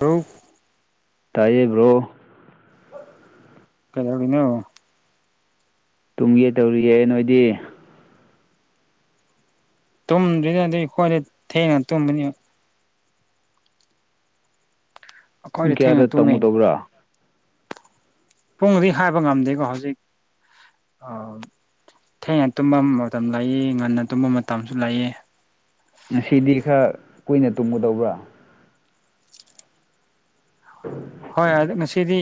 ꯑꯔꯧ ꯇꯥꯏꯌꯦꯕ꯭ꯔꯣ ꯀꯩꯩꯗꯧꯔꯤꯅꯣ ꯇꯨꯝꯒꯦ ꯇꯧꯔꯤꯌꯦ ꯅꯣꯏꯗꯤ ꯇꯨꯝꯗ꯭ꯔꯤꯗ ꯑꯗꯨ ꯑꯩꯈꯣꯏꯗꯤ ꯊꯦꯡꯅ ꯇꯨꯝꯕꯅꯤ ꯄꯨꯡ ꯑꯩꯈꯣꯏꯗꯤ ꯊꯦꯡꯅ ꯀꯌꯥꯗ ꯇꯨꯝꯃꯦ ꯇꯝꯒꯗꯩꯕ꯭ꯔꯥ ꯄꯨꯡꯗꯤ ꯍꯥꯏꯕ ꯉꯝꯗꯦꯀꯣ ꯍꯧꯖꯤꯛ ꯑ ꯊꯦꯡꯅ ꯇꯨꯝꯕ ꯃꯇꯝ ꯂꯩꯌꯦ ꯉꯟꯅ ꯇꯨꯝꯕ ꯃꯇꯝꯁꯨ ꯂꯩꯌꯦ ꯉꯁꯤꯗꯤ ꯈꯔ ꯀꯨꯏꯅ ꯇꯨꯝꯒꯨꯗꯧꯕ꯭ꯔꯥ [inaudible] ꯍꯣꯏ ꯉꯁꯤꯗꯤ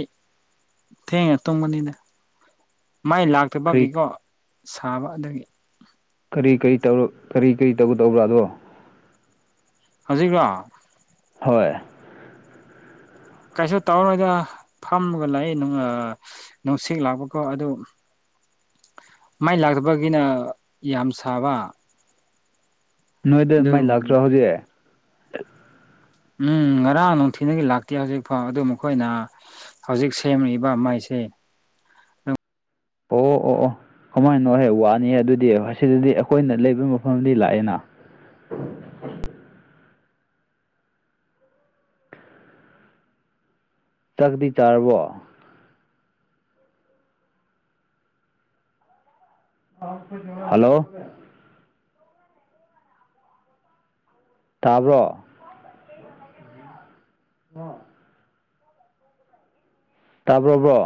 ꯊꯦꯡꯅ ꯇꯨꯝꯒꯅꯤꯗ ꯃꯩ ꯂꯥꯛ ꯀꯔꯤ ꯊꯕꯛꯀꯤꯀꯣ ꯁꯥꯕ ꯑꯗꯨꯒꯤ ꯀꯔꯤ ꯀꯔꯤ ꯇꯧ ꯀꯔꯤ ꯀꯔꯤ ꯇꯧꯒꯗꯧꯕ꯭ꯔ ꯑꯗꯣ ꯍꯧꯖꯤꯛꯂꯣ ꯍꯣꯏ ꯀꯩꯁꯨ ꯇꯧꯔꯣꯏꯗ ꯐꯝꯃꯒ ꯂꯩ ꯅꯨꯡꯁꯤꯡ ꯂꯥꯛꯄꯀꯣ ꯑꯗꯨ ꯃꯩ ꯂꯥꯛꯇꯕꯒꯤꯅ ꯌꯥꯝ ꯁꯥꯕ ꯅꯣꯏꯗ ꯑꯗꯨ ꯃꯩ ꯂꯥꯛꯇ꯭ꯔꯣ ꯍꯧꯖꯤꯛ ꯎꯝ ꯉꯔꯥꯡ ꯅꯨꯡꯊꯤꯜꯗꯒꯤ ꯂꯥꯛꯇꯦ ꯍꯧꯖꯤꯛꯐꯥꯎ ꯑꯗꯨ ꯃꯈꯣꯏꯅ ꯍꯧꯖꯤꯛ ꯁꯦꯝꯃꯤꯕ ꯃꯩꯁꯦ ꯑꯣ ꯑꯣ ꯑꯣ ꯀꯃꯥꯏꯅꯣ ꯍꯦ ꯋꯥꯅꯤ ꯍꯦ ꯑꯗꯨꯗꯤ ꯑꯁꯤꯗꯗꯤ ꯑꯩꯈꯣꯏꯅ ꯂꯩꯕ ꯃꯐꯝꯗꯤ ꯂꯥꯛꯑꯦꯅ ꯆꯥꯛꯗꯤ ꯆꯥꯔꯕꯣ ꯍꯜꯂꯣ ꯇꯥꯕ꯭ꯔꯣ ꯍꯥ ꯇꯥꯕ꯭ꯔꯥꯕ꯭ꯔꯣ